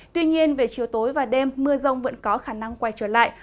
tuy nhiên về chiều tối và đêm mưa rông vẫn có khả năng quay trở lại